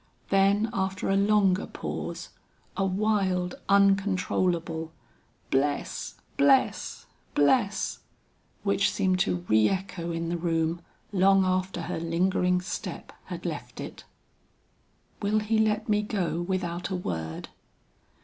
Then after a longer pause, a wild uncontrollable; "Bless! bless! bless!" which seemed to re echo in the room long after her lingering step had left it. "Will he let me go without a word?"